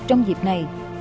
trong dịp này